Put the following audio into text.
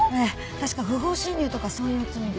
確か不法侵入とかそういう罪で。